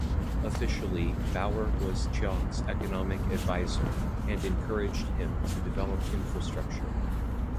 Officially, Bauer was Chiang's economic adviser and encouraged him to develop infrastructure.